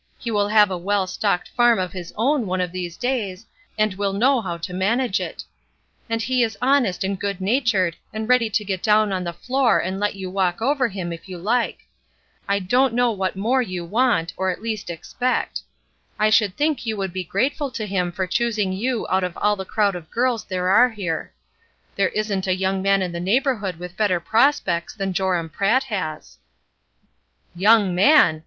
He will have a well stocked farm of his own one of these days, and will know how to manage it; and he is honest and good natured, and ready to get down on the floor and let you walk over him, if you Uke. I don't know what more you want, 60 ESTER RIED'S NAMESAKE or at least expect. I should think you would be grateful to him for choosing you out of all the crowd of girls there are here. There isn't a young man in the neighborhood with better prospects than Joram Pratt has." ''Young man!"